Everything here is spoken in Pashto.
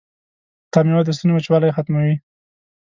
دا میوه د ستوني وچوالی ختموي.